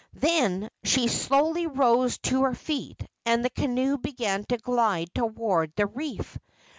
Then she slowly rose to her feet, and the canoe began to glide toward the reef.